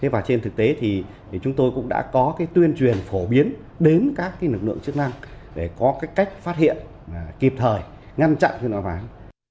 và trên thực tế thì chúng tôi cũng đã có cái tuyên truyền phổ biến đến các lực lượng chức năng để có cái cách phát hiện kịp thời ngăn chặn cho nó vào